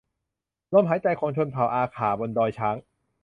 ลมหายใจของชนเผ่าอาข่าบนดอยช้าง